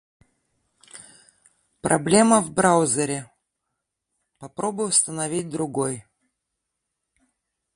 Проблема в браузере, попробой установить другой.